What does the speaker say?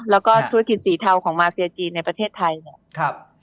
แล้วก็ธุรกิจสีเทาของมาเฟียจีนในประเทศไทยเนี่ย